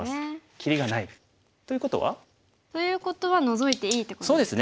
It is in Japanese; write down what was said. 切りがない。ということは？ということはノゾいていいってことですか。